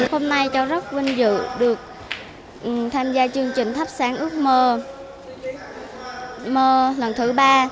hôm nay cháu rất vinh dự được tham gia chương trình thắp sáng ước mơ lần thứ ba